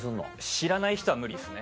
知らない人は無理ですね。